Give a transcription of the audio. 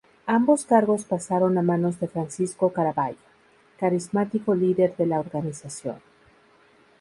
Ambos cargos pasaron a manos de Francisco Caraballo, carismático líder de la organización.